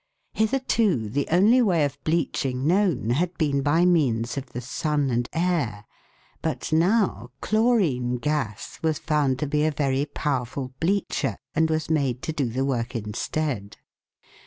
Hitherto the only way of bleaching known had been by means of the sun and air, but now chlorine gas was found to be a very powerful bleacher, and was made to do the work instead.